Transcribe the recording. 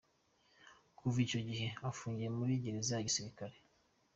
Kuva icyo gihe afungiye muri gereza ya gisirikare.